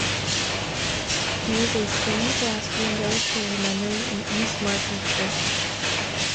There is a stained glass window to her memory in East Markham Church.